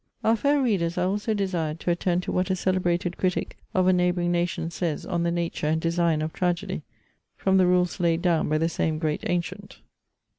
Our fair readers are also desired to attend to what a celebrated critic* of a neighbouring nation says on the nature and design of tragedy, from the rules laid down by the same great antient.